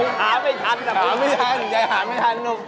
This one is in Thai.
คุณหาไม่ทันหรือเปล่าหาไม่ทันยายหาไม่ทันลูก